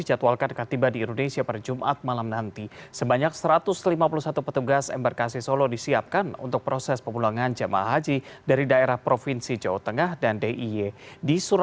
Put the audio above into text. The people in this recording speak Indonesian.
atau memiliki suhu tubuh tinggi